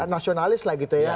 nasionalis lah gitu ya